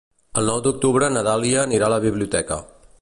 El nou d'octubre na Dàlia anirà a la biblioteca.